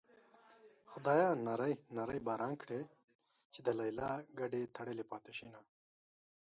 خدايه نری نری باران کړې چې د ليلا ګډې تړلې پاتې شينه